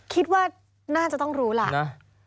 คิดว่าน่าจะต้องรู้ล่ะ